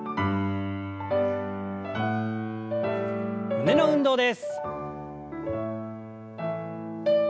胸の運動です。